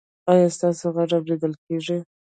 ایا ستاسو غږ اوریدل کیږي؟